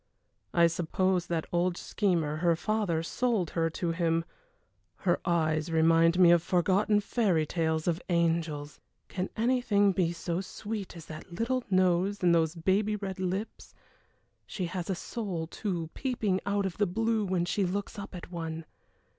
I suppose that old schemer, her father, sold her to him. Her eyes remind one of forgotten fairy tales of angels. Can anything be so sweet as that little nose and those baby red lips. She has a soul, too, peeping out of the blue when she looks up at one.